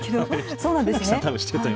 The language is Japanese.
そうなんですね。